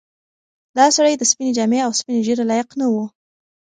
دا سړی د سپینې جامې او سپینې ږیرې لایق نه و.